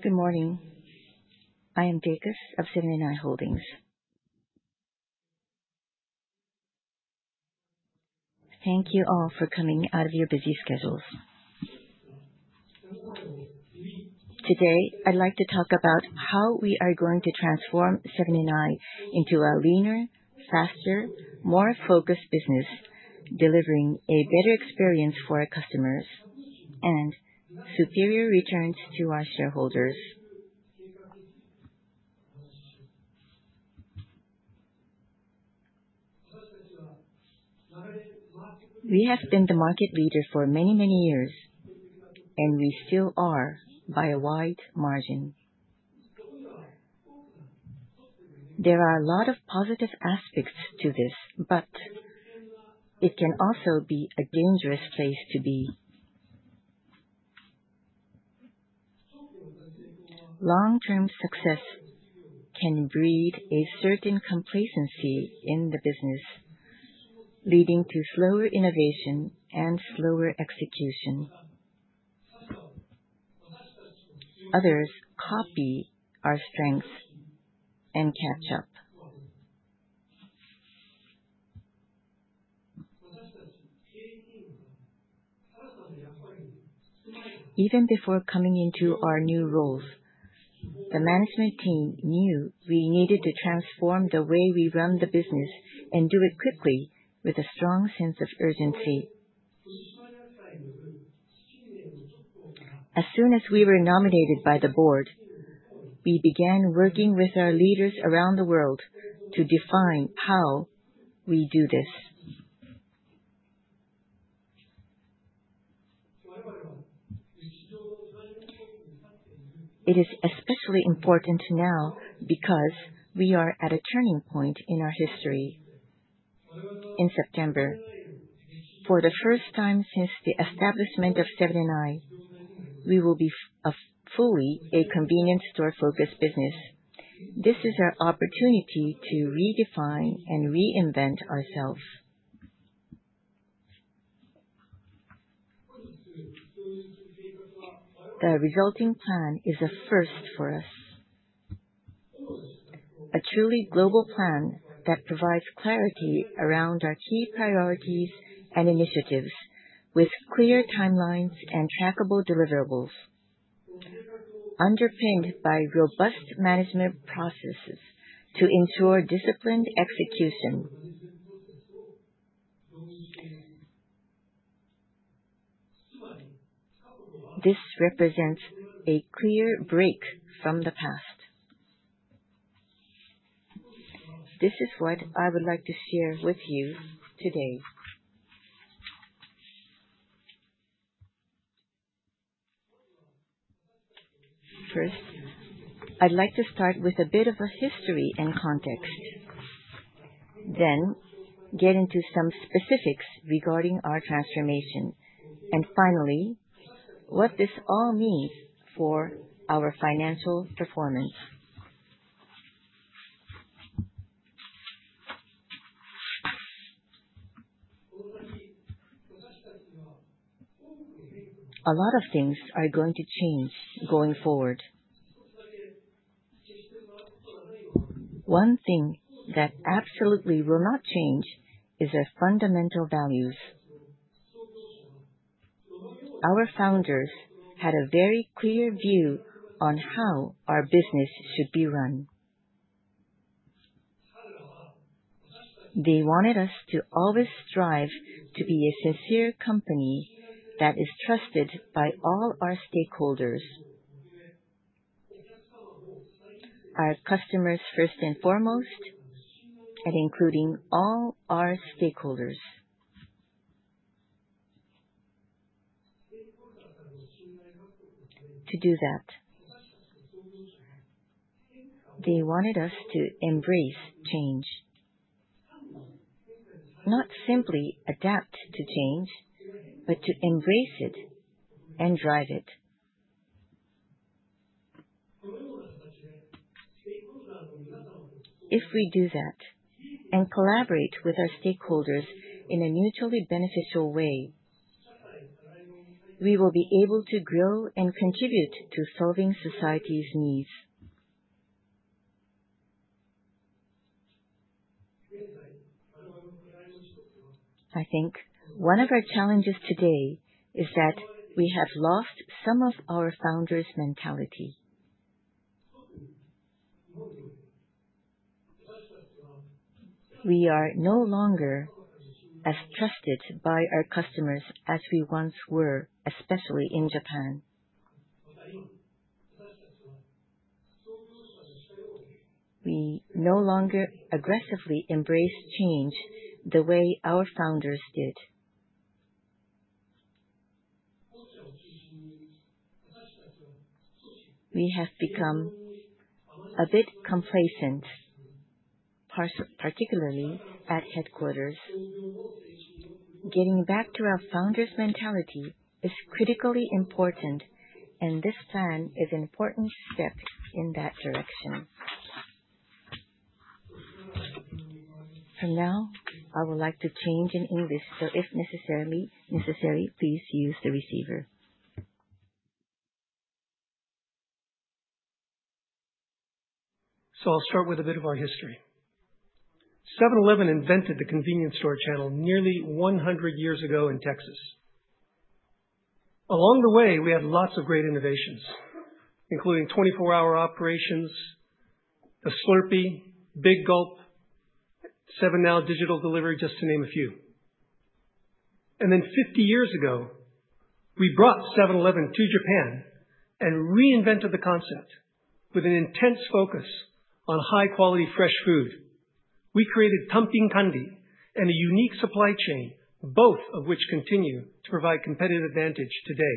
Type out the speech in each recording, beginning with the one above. Good morning. I am Jacobs of Seven & i Holdings. Thank you all for coming out of your busy schedules. Today, I'd like to talk about how we are going to transform Seven & i into a leaner, faster, more focused business, delivering a better experience for our customers and superior returns to our shareholders. We have been the market leader for many, many years, and we still are by a wide margin. There are a lot of positive aspects to this, but it can also be a dangerous place to be. Long-term success can breed a certain complacency in the business, leading to slower innovation and slower execution. Others copy our strengths and catch up. Even before coming into our new roles, the management team knew we needed to transform the way we run the business and do it quickly with a strong sense of urgency. As soon as we were nominated by the board, we began working with our leaders around the world to define how we do this. It is especially important now because we are at a turning point in our history. In September, for the first time since the establishment of Seven & i, we will be fully a convenience store-focused business. This is our opportunity to redefine and reinvent ourselves. The resulting plan is a first for us. A truly global plan that provides clarity around our key priorities and initiatives with clear timelines and trackable deliverables, underpinned by robust management processes to ensure disciplined execution. This represents a clear break from the past. This is what I would like to share with you today. First, I'd like to start with a bit of a history and context, then get into some specifics regarding our transformation, and finally, what this all means for our financial performance. A lot of things are going to change going forward. One thing that absolutely will not change is our fundamental values. Our founders had a very clear view on how our business should be run. They wanted us to always strive to be a sincere company that is trusted by all our stakeholders. Our customers first and foremost, and including all our stakeholders. To do that, they wanted us to embrace change, not simply adapt to change, but to embrace it and drive it. If we do that and collaborate with our stakeholders in a mutually beneficial way, we will be able to grow and contribute to solving society's needs. I think one of our challenges today is that we have lost some of our founders' mentality. We are no longer as trusted by our customers as we once were, especially in Japan. We no longer aggressively embrace change the way our founders did. We have become a bit complacent, particularly at headquarters. Getting back to our founders' mentality is critically important, and this plan is an important step in that direction. From now, I would like to change in English, so if necessary, please use the receiver. I'll start with a bit of our history. 7-Eleven invented the convenience store channel nearly 100 years ago in Texas. Along the way, we had lots of great innovations, including 24-hour operations, the Slurpee, Big Gulp, 7NOW digital delivery, just to name a few. 50 years ago, we brought 7-Eleven to Japan and reinvented the concept with an intense focus on high-quality fresh food. We created Tanpin Kanri and a unique supply chain, both of which continue to provide competitive advantage today.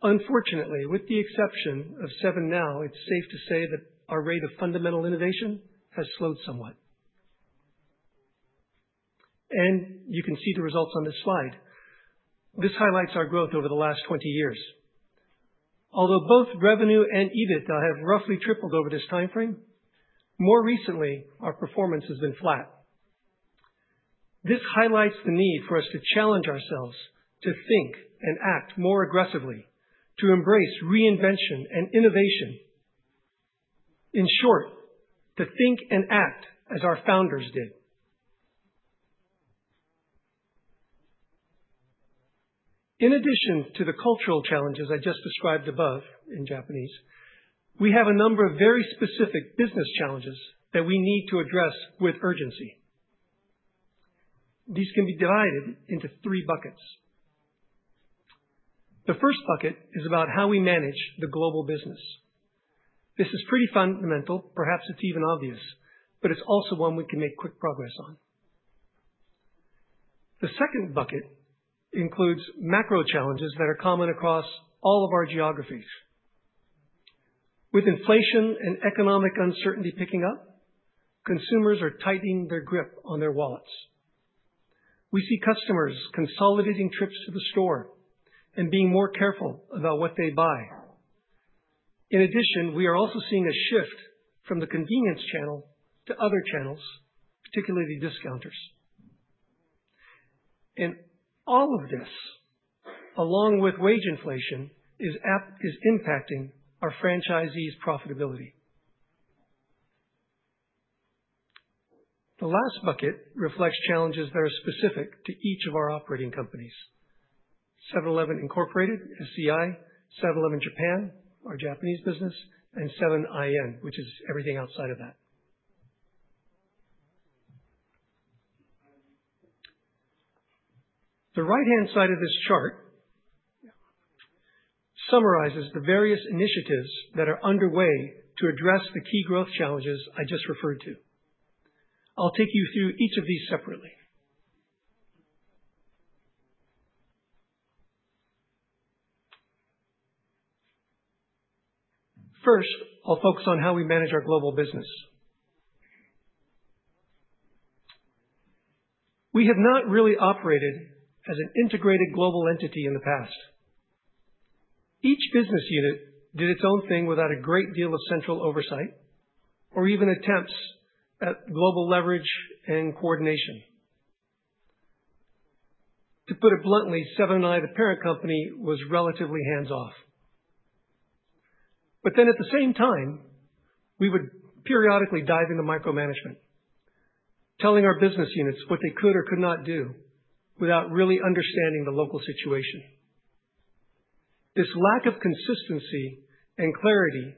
Unfortunately, with the exception of 7NOW, it's safe to say that our rate of fundamental innovation has slowed somewhat. You can see the results on this slide. This highlights our growth over the last 20 years. Although both revenue and EBIT have roughly tripled over this timeframe, more recently, our performance has been flat. This highlights the need for us to challenge ourselves to think and act more aggressively, to embrace reinvention and innovation. In short, to think and act as our founders did. In addition to the cultural challenges I just described above in Japanese, we have a number of very specific business challenges that we need to address with urgency. These can be divided into three buckets. The first bucket is about how we manage the global business. This is pretty fundamental. Perhaps it's even obvious, it's also one we can make quick progress on. The second bucket includes macro challenges that are common across all of our geographies. With inflation and economic uncertainty picking up, consumers are tightening their grip on their wallets. We see customers consolidating trips to the store and being more careful about what they buy. In addition, we are also seeing a shift from the convenience channel to other channels, particularly discounters. All of this, along with wage inflation, is impacting our franchisees' profitability. The last bucket reflects challenges that are specific to each of our operating companies. 7-Eleven Incorporated, SEI, 7-Eleven Japan, our Japanese business, and 7-Eleven IN, which is everything outside of that. The right-hand side of this chart summarizes the various initiatives that are underway to address the key growth challenges I just referred to. I'll take you through each of these separately. First, I'll focus on how we manage our global business. We have not really operated as an integrated global entity in the past. Each business unit did its own thing without a great deal of central oversight or even attempts at global leverage and coordination. To put it bluntly, 7&i, the parent company, was relatively hands-off. At the same time, we would periodically dive into micromanagement, telling our business units what they could or could not do without really understanding the local situation. This lack of consistency and clarity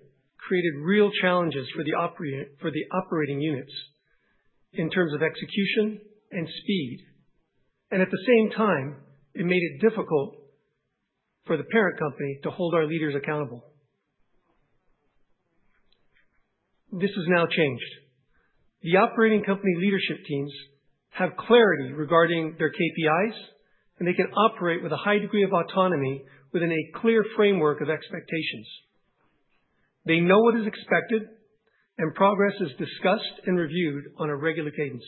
created real challenges for the operating units in terms of execution and speed. At the same time, it made it difficult for the parent company to hold our leaders accountable. This has now changed. The operating company leadership teams have clarity regarding their KPIs, and they can operate with a high degree of autonomy within a clear framework of expectations. They know what is expected, and progress is discussed and reviewed on a regular cadence.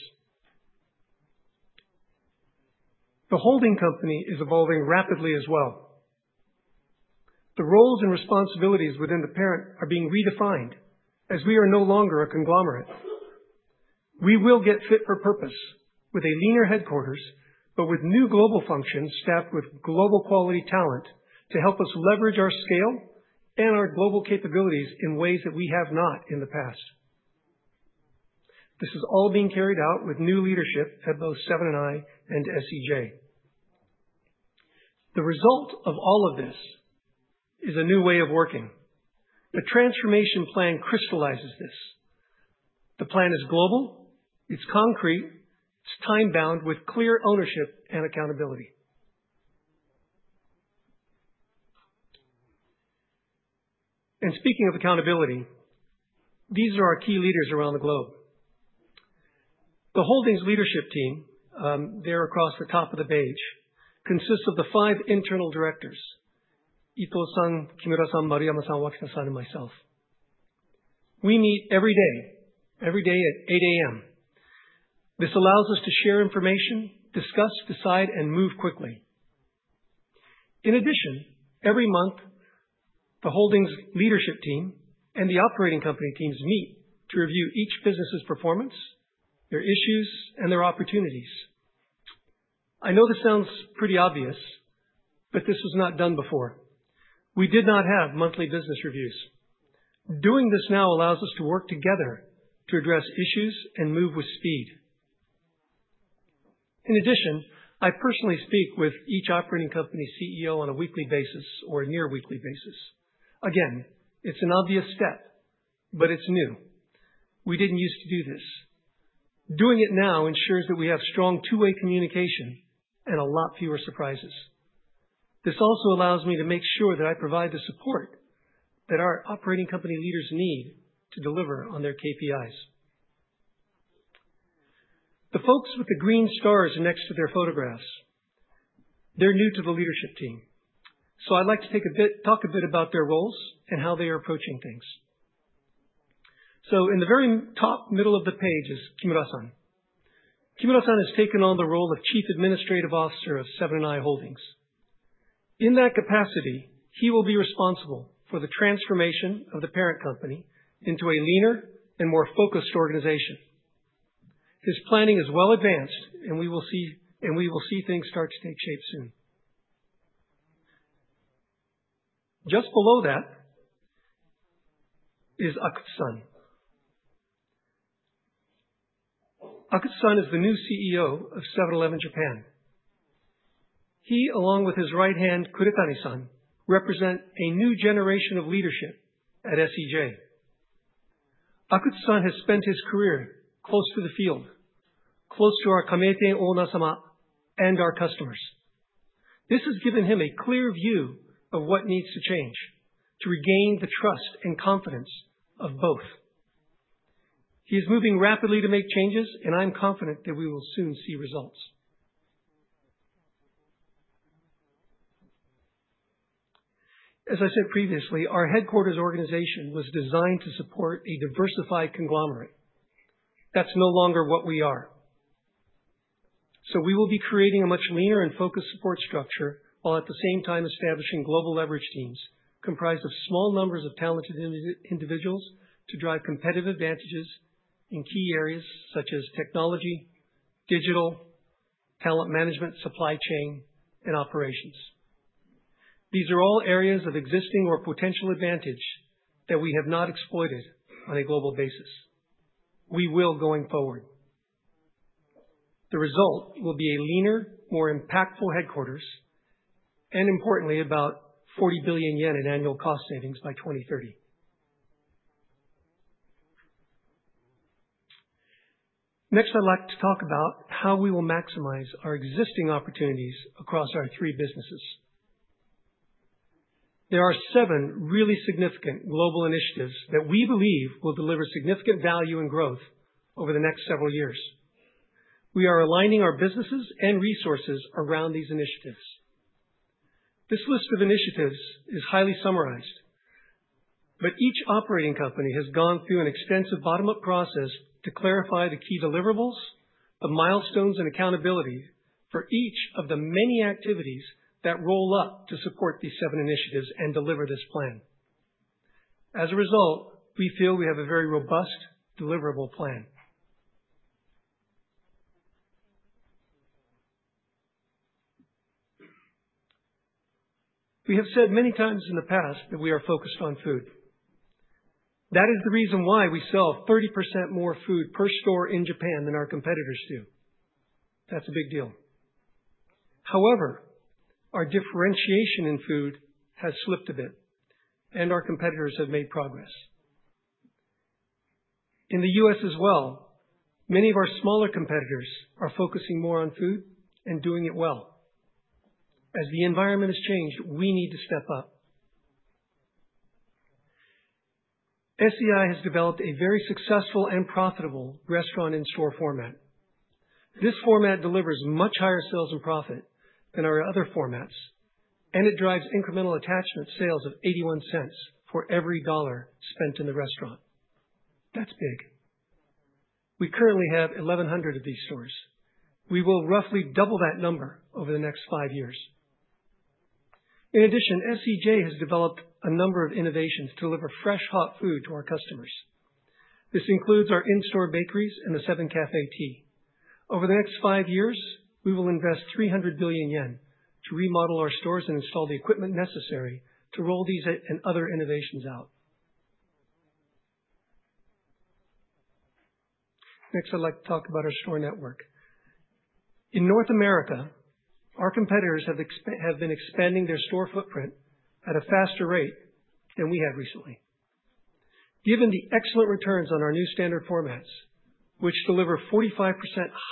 The holding company is evolving rapidly as well. The roles and responsibilities within the parent are being redefined as we are no longer a conglomerate. We will get fit for purpose with a leaner headquarters, but with new global functions staffed with global quality talent to help us leverage our scale and our global capabilities in ways that we have not in the past. This is all being carried out with new leadership at both Seven & i and SEJ. The result of all of this is a new way of working. The transformation plan crystallizes this. The plan is global, it's concrete, it's time-bound with clear ownership and accountability. Speaking of accountability, these are our key leaders around the globe. The Holdings leadership team, there across the top of the page, consists of the five internal directors, Ito-san, Kimura-san, Maruyama-san, Waketa-san, and myself. We meet every day at 8:00 A.M. This allows us to share information, discuss, decide, and move quickly. In addition, every month, the Holdings leadership team and the operating company teams meet to review each business's performance, their issues, and their opportunities. I know this sounds pretty obvious, but this was not done before. We did not have monthly business reviews. Doing this now allows us to work together to address issues and move with speed. In addition, I personally speak with each operating company CEO on a weekly basis or a near-weekly basis. Again, it's an obvious step, but it's new. We didn't use to do this. Doing it now ensures that we have strong two-way communication and a lot fewer surprises. This also allows me to make sure that I provide the support that our operating company leaders need to deliver on their KPIs. The folks with the green stars next to their photographs, they're new to the leadership team. I'd like to talk a bit about their roles and how they are approaching things. In the very top middle of the page is Kimura-san. Kimura-san has taken on the role of Chief Administrative Officer of Seven & i Holdings. In that capacity, he will be responsible for the transformation of the parent company into a leaner and more focused organization. His planning is well advanced, and we will see things start to take shape soon. Just below that is Akutsu-san. Akutsu-san is the new CEO of Seven-Eleven Japan. He, along with his right hand, Kuretake-san, represent a new generation of leadership at SEJ. Akutsu-san has spent his career close to the field, close to our kameiten onasama and our customers. This has given him a clear view of what needs to change to regain the trust and confidence of both. He is moving rapidly to make changes, and I'm confident that we will soon see results. As I said previously, our headquarters organization was designed to support a diversified conglomerate. That's no longer what we are. We will be creating a much leaner and focused support structure, while at the same time establishing global leverage teams comprised of small numbers of talented individuals to drive competitive advantages in key areas such as technology, digital, talent management, supply chain, and operations. These are all areas of existing or potential advantage that we have not exploited on a global basis. We will going forward. The result will be a leaner, more impactful headquarters, and importantly, about 40 billion yen in annual cost savings by 2030. Next, I'd like to talk about how we will maximize our existing opportunities across our three businesses. There are seven really significant global initiatives that we believe will deliver significant value and growth over the next several years. We are aligning our businesses and resources around these initiatives. This list of initiatives is highly summarized, but each operating company has gone through an extensive bottom-up process to clarify the key deliverables, the milestones, and accountability for each of the many activities that roll up to support these seven initiatives and deliver this plan. As a result, we feel we have a very robust deliverable plan. We have said many times in the past that we are focused on food. That is the reason why we sell 30% more food per store in Japan than our competitors do. That's a big deal. However, our differentiation in food has slipped a bit, and our competitors have made progress. In the U.S. as well, many of our smaller competitors are focusing more on food and doing it well. As the environment has changed, we need to step up. SEI has developed a very successful and profitable restaurant in-store format. This format delivers much higher sales and profit than our other formats, and it drives incremental attachment sales of $0.81 for every dollar spent in the restaurant. That's big. We currently have 1,100 of these stores. We will roughly double that number over the next five years. In addition, SEJ has developed a number of innovations to deliver fresh, hot food to our customers. This includes our in-store bakeries and the 7-Cafe Tea. Over the next five years, we will invest 300 billion yen to remodel our stores and install the equipment necessary to roll these and other innovations out. Next, I'd like to talk about our store network. In North America, our competitors have been expanding their store footprint at a faster rate than we have recently. Given the excellent returns on our new standard formats, which deliver 45%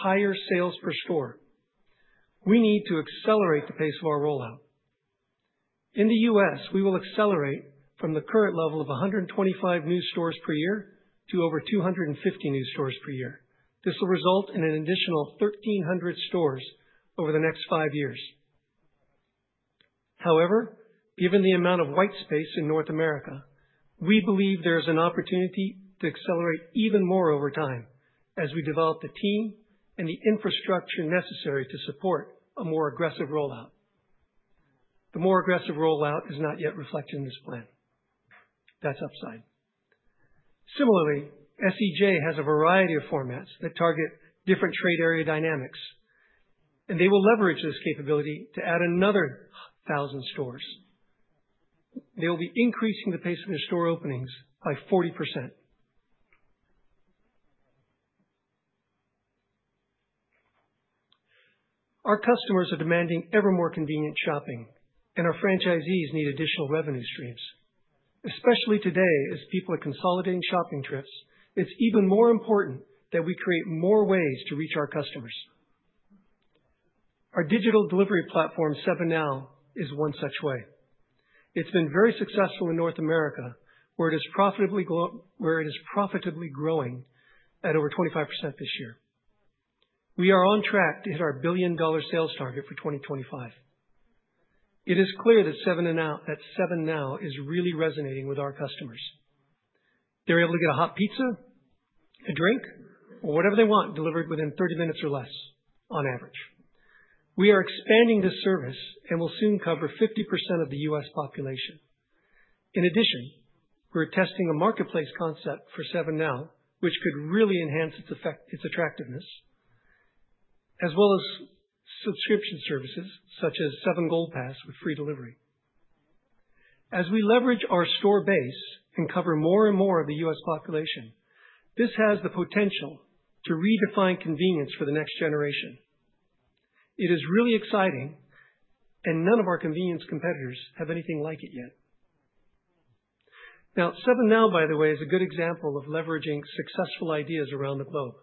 higher sales per store, we need to accelerate the pace of our rollout. In the U.S., we will accelerate from the current level of 125 new stores per year to over 250 new stores per year. This will result in an additional 1,300 stores over the next five years. However, given the amount of white space in North America. We believe there's an opportunity to accelerate even more over time as we develop the team and the infrastructure necessary to support a more aggressive rollout. The more aggressive rollout is not yet reflected in this plan. That's upside. Similarly, SEJ has a variety of formats that target different trade area dynamics, and they will leverage this capability to add another 1,000 stores. They will be increasing the pace of their store openings by 40%. Our customers are demanding ever more convenient shopping, and our franchisees need additional revenue streams. Especially today as people are consolidating shopping trips, it's even more important that we create more ways to reach our customers. Our digital delivery platform, 7NOW, is one such way. It's been very successful in North America, where it is profitably growing at over 25% this year. We are on track to hit our billion-dollar sales target for 2025. It is clear that 7NOW is really resonating with our customers. They're able to get a hot pizza, a drink, or whatever they want delivered within 30 minutes or less on average. We are expanding this service and will soon cover 50% of the U.S. population. In addition, we're testing a marketplace concept for 7NOW, which could really enhance its attractiveness, as well as subscription services such as 7NOW Gold Pass with free delivery. As we leverage our store base and cover more and more of the U.S. population, this has the potential to redefine convenience for the next generation. It is really exciting and none of our convenience competitors have anything like it yet. 7NOW, by the way, is a good example of leveraging successful ideas around the globe.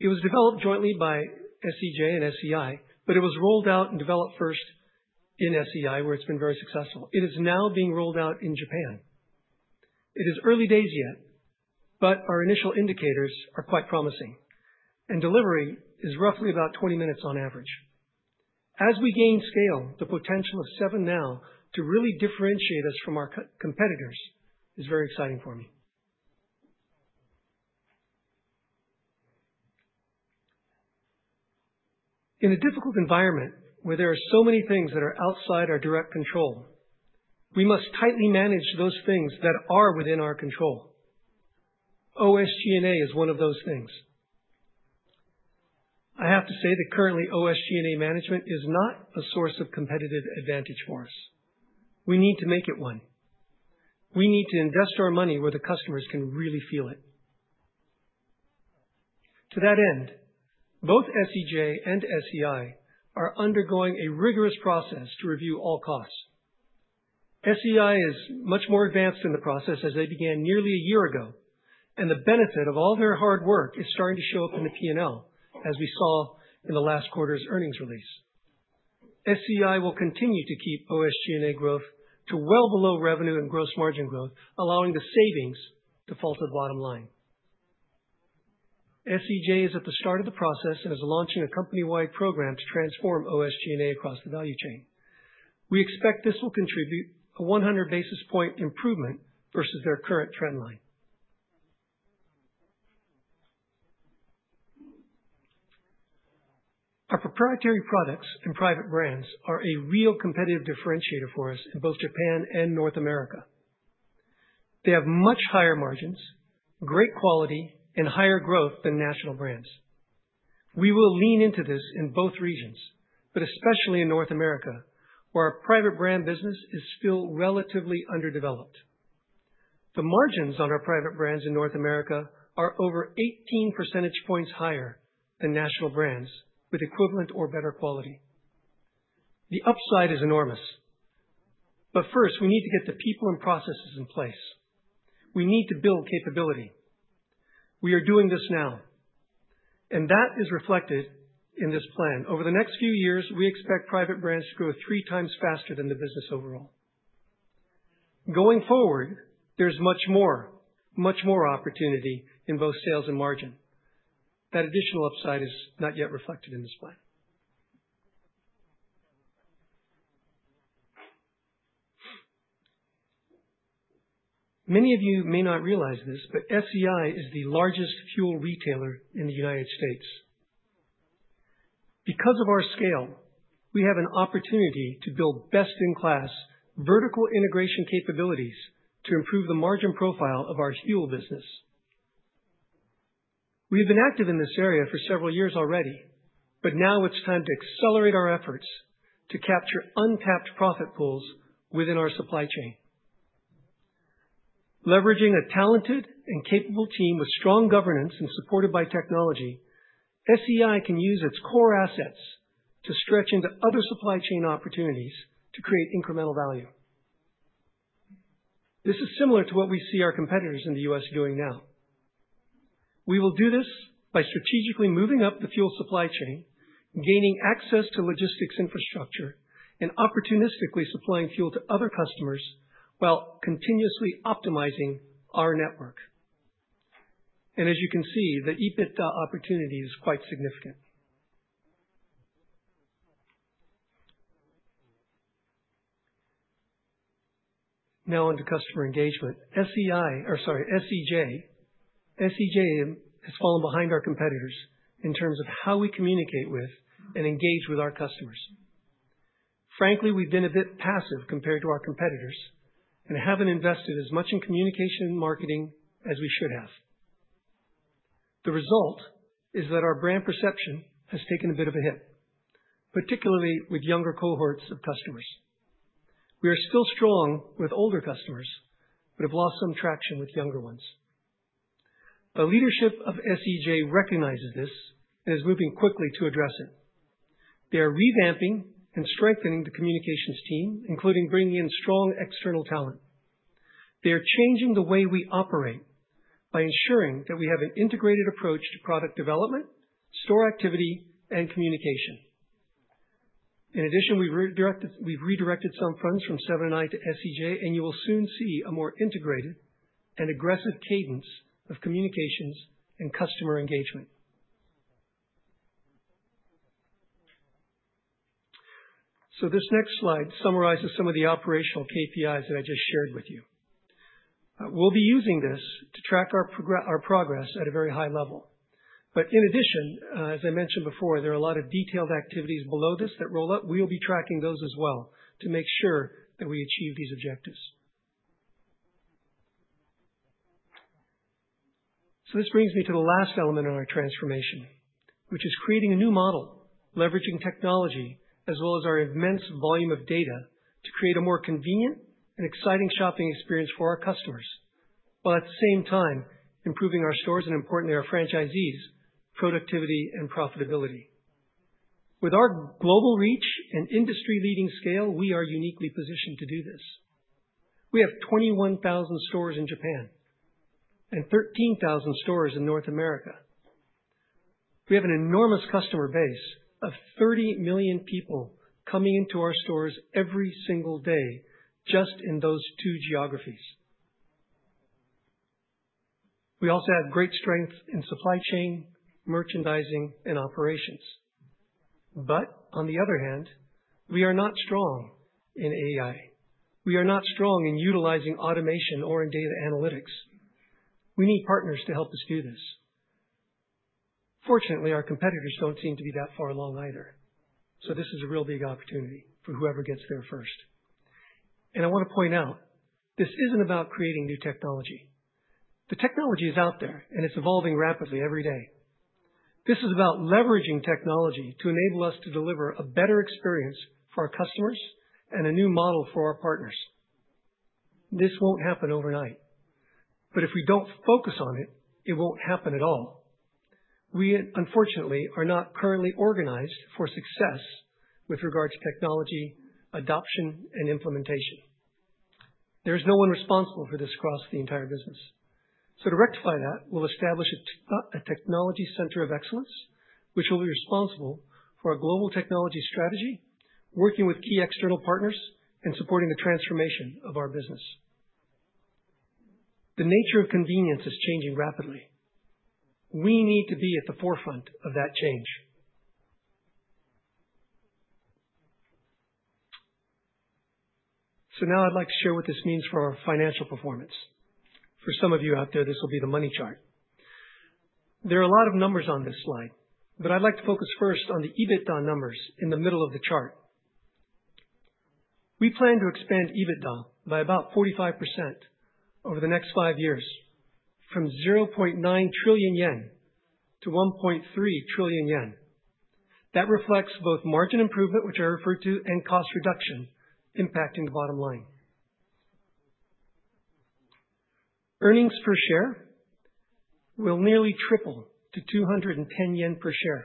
It was developed jointly by SEJ and SEI, but it was rolled out and developed first in SEI, where it's been very successful. It is now being rolled out in Japan. It is early days yet, but our initial indicators are quite promising, and delivery is roughly about 20 minutes on average. As we gain scale, the potential of 7NOW to really differentiate us from our competitors is very exciting for me. In a difficult environment where there are so many things that are outside our direct control, we must tightly manage those things that are within our control. OSG&A is one of those things. I have to say that currently, OSG&A management is not a source of competitive advantage for us. We need to make it one. We need to invest our money where the customers can really feel it. To that end, both SEJ and SEI are undergoing a rigorous process to review all costs. SEI is much more advanced in the process as they began nearly a year ago, and the benefit of all their hard work is starting to show up in the P&L, as we saw in the last quarter's earnings release. SEI will continue to keep OSG&A growth to well below revenue and gross margin growth, allowing the savings to fall to the bottom line. SEJ is at the start of the process and is launching a company-wide program to transform OSG&A across the value chain. We expect this will contribute a 100 basis point improvement versus their current trend line. Our proprietary products and private brands are a real competitive differentiator for us in both Japan and North America. They have much higher margins, great quality, and higher growth than national brands. We will lean into this in both regions, but especially in North America, where our private brand business is still relatively underdeveloped. The margins on our private brands in North America are over 18 percentage points higher than national brands with equivalent or better quality. The upside is enormous. First, we need to get the people and processes in place. We need to build capability. We are doing this now, and that is reflected in this plan. Over the next few years, we expect private brands to grow three times faster than the business overall. Going forward, there's much more opportunity in both sales and margin. That additional upside is not yet reflected in this plan. Many of you may not realize this, but SEI is the largest fuel retailer in the United States. Because of our scale, we have an opportunity to build best-in-class vertical integration capabilities to improve the margin profile of our fuel business. We've been active in this area for several years already, but now it's time to accelerate our efforts to capture untapped profit pools within our supply chain. Leveraging a talented and capable team with strong governance and supported by technology, SEI can use its core assets to stretch into other supply chain opportunities to create incremental value. This is similar to what we see our competitors in the U.S. doing now. We will do this by strategically moving up the fuel supply chain, gaining access to logistics infrastructure, and opportunistically supplying fuel to other customers while continuously optimizing our network. As you can see, the EBITDA opportunity is quite significant. Now on to customer engagement. SEJ has fallen behind our competitors in terms of how we communicate with and engage with our customers. Frankly, we've been a bit passive compared to our competitors and haven't invested as much in communication and marketing as we should have. The result is that our brand perception has taken a bit of a hit, particularly with younger cohorts of customers. We are still strong with older customers, but have lost some traction with younger ones. The leadership of SEJ recognizes this and is moving quickly to address it. They are revamping and strengthening the communications team, including bringing in strong external talent. They are changing the way we operate by ensuring that we have an integrated approach to product development, store activity, and communication. In addition, we've redirected some funds from Seven & i to SEJ, and you will soon see a more integrated and aggressive cadence of communications and customer engagement. This next slide summarizes some of the operational KPIs that I just shared with you. We'll be using this to track our progress at a very high level. In addition, as I mentioned before, there are a lot of detailed activities below this that roll up. We will be tracking those as well to make sure that we achieve these objectives. This brings me to the last element in our transformation, which is creating a new model, leveraging technology, as well as our immense volume of data to create a more convenient and exciting shopping experience for our customers. While at the same time, improving our stores and importantly, our franchisees' productivity and profitability. With our global reach and industry-leading scale, we are uniquely positioned to do this. We have 21,000 stores in Japan and 13,000 stores in North America. We have an enormous customer base of 30 million people coming into our stores every single day, just in those two geographies. We also have great strength in supply chain, merchandising, and operations. On the other hand, we are not strong in AI. We are not strong in utilizing automation or in data analytics. We need partners to help us do this. Fortunately, our competitors don't seem to be that far along either. This is a real big opportunity for whoever gets there first. I want to point out, this isn't about creating new technology. The technology is out there, and it's evolving rapidly every day. This is about leveraging technology to enable us to deliver a better experience for our customers and a new model for our partners. This won't happen overnight, but if we don't focus on it won't happen at all. We unfortunately are not currently organized for success with regard to technology adoption and implementation. There is no one responsible for this across the entire business. To rectify that, we'll establish a technology center of excellence, which will be responsible for our global technology strategy, working with key external partners and supporting the transformation of our business. The nature of convenience is changing rapidly. We need to be at the forefront of that change. Now I'd like to share what this means for our financial performance. For some of you out there, this will be the money chart. There are a lot of numbers on this slide, but I'd like to focus first on the EBITDA numbers in the middle of the chart. We plan to expand EBITDA by about 45% over the next five years, from 0.9 trillion yen to 1.3 trillion yen. That reflects both margin improvement, which I referred to, and cost reduction impacting the bottom line. Earnings per share will nearly triple to 210 yen per share,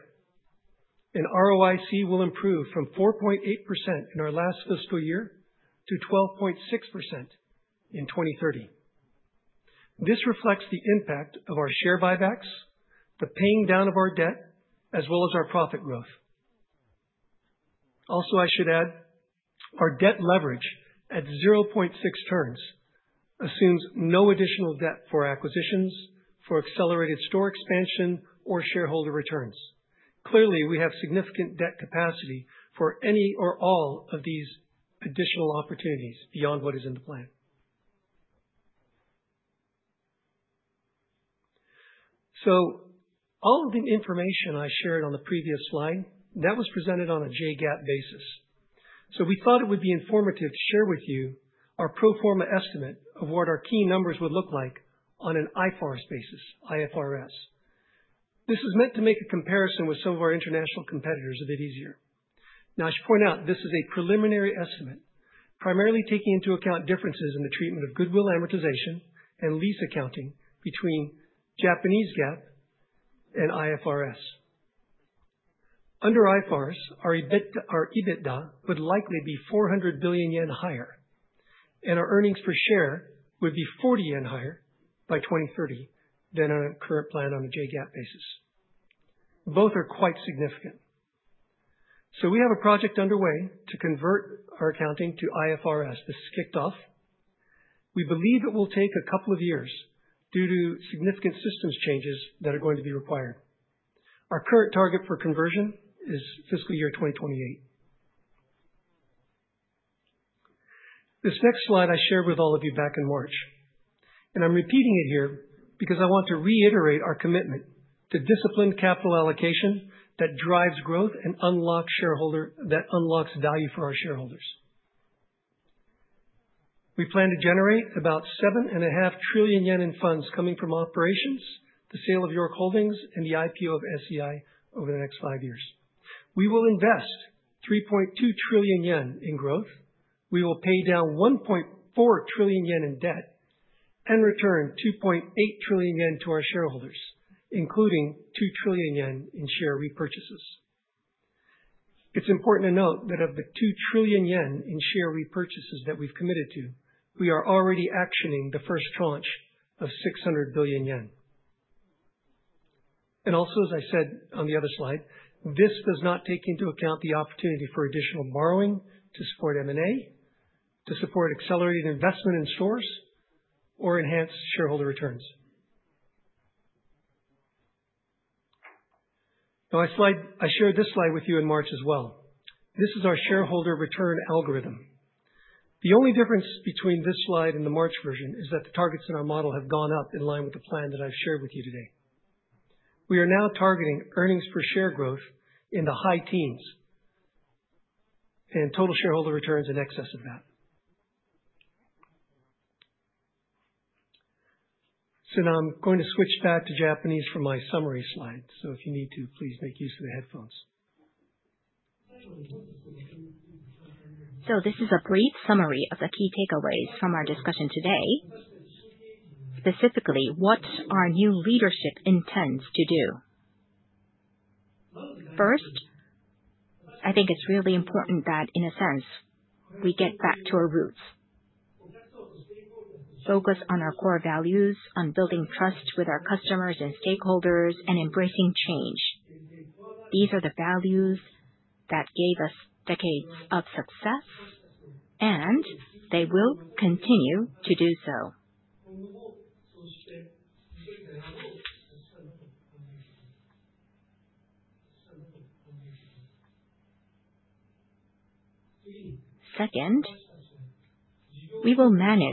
and ROIC will improve from 4.8% in our last fiscal year to 12.6% in 2030. This reflects the impact of our share buybacks, the paying down of our debt, as well as our profit growth. I should add our debt leverage at 0.6 turns assumes no additional debt for acquisitions, for accelerated store expansion or shareholder returns. Clearly, we have significant debt capacity for any or all of these additional opportunities beyond what is in the plan. All of the information I shared on the previous slide, that was presented on a JGAAP basis. We thought it would be informative to share with you our pro forma estimate of what our key numbers would look like on an IFRS basis. This is meant to make a comparison with some of our international competitors a bit easier. I should point out, this is a preliminary estimate, primarily taking into account differences in the treatment of goodwill amortization and lease accounting between Japanese GAAP and IFRS. Under IFRS, our EBITDA would likely be 400 billion yen higher, and our earnings per share would be 40 yen higher by 2030 than our current plan on a JGAAP basis. Both are quite significant. We have a project underway to convert our accounting to IFRS. This kicked off. We believe it will take a couple of years due to significant systems changes that are going to be required. Our current target for conversion is fiscal year 2028. This next slide I shared with all of you back in March, and I'm repeating it here because I want to reiterate our commitment to disciplined capital allocation that drives growth and unlocks value for our shareholders. We plan to generate about seven and a half trillion yen in funds coming from operations, the sale of York Holdings, and the IPO of SEI over the next five years. We will invest 3.2 trillion yen in growth. We will pay down 1.4 trillion yen in debt and return 2.8 trillion yen to our shareholders, including 2 trillion yen in share repurchases. It's important to note that of the 2 trillion yen in share repurchases that we've committed to, we are already actioning the first tranche of 600 billion yen. Also, as I said on the other slide, this does not take into account the opportunity for additional borrowing to support M&A, to support accelerated investment in stores, or enhance shareholder returns. I shared this slide with you in March as well. This is our shareholder return algorithm. The only difference between this slide and the March version is that the targets in our model have gone up in line with the plan that I've shared with you today. We are now targeting earnings per share growth in the high teens and total shareholder returns in excess of that. I'm going to switch back to Japanese for my summary slide. If you need to, please make use of the headphones. This is a brief summary of the key takeaways from our discussion today. Specifically, what our new leadership intends to do. First, I think it's really important that, in a sense, we get back to our roots. Focus on our core values, on building trust with our customers and stakeholders, and embracing change. These are the values that gave us decades of success, and they will continue to do so. Second, we will manage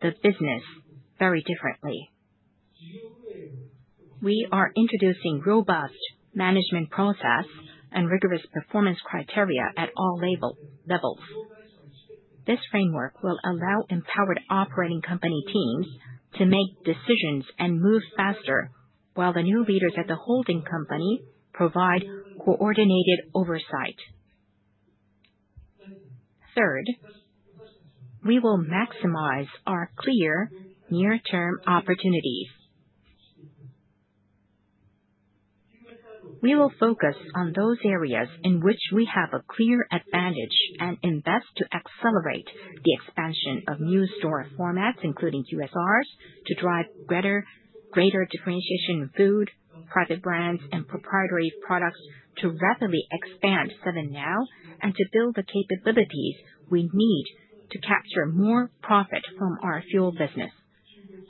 the business very differently. We are introducing robust management process and rigorous performance criteria at all levels. This framework will allow empowered operating company teams to make decisions and move faster while the new leaders at the holding company provide coordinated oversight. Third, we will maximize our clear near-term opportunities. We will focus on those areas in which we have a clear advantage and invest to accelerate the expansion of new store formats, including QSRs, to drive greater differentiation in food, private brands, and proprietary products to rapidly expand 7NOW, and to build the capabilities we need to capture more profit from our fuel business.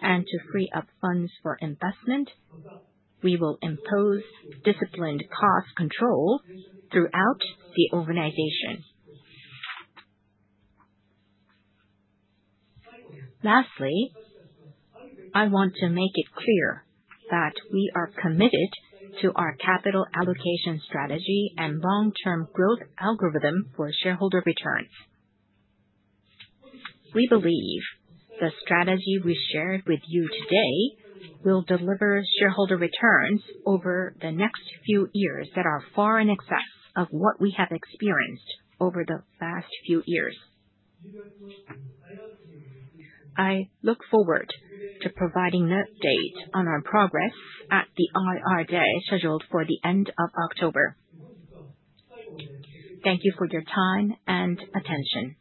To free up funds for investment, we will impose disciplined cost control throughout the organization. Lastly, I want to make it clear that we are committed to our capital allocation strategy and long-term growth algorithm for shareholder returns. We believe the strategy we shared with you today will deliver shareholder returns over the next few years that are far in excess of what we have experienced over the last few years. I look forward to providing an update on our progress at the IR day scheduled for the end of October. Thank you for your time and attention.